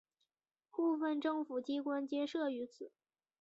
部分政府机关皆设于此。